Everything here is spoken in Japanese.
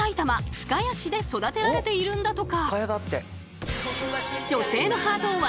深谷市で育てられているんだとか。